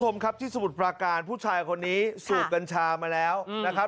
คุณผู้ชมครับที่สมุทรปราการผู้ชายคนนี้สูบกัญชามาแล้วนะครับ